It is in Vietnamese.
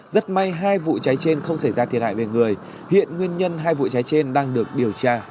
rất may hai vụ cháy trên không xảy ra thiệt hại về người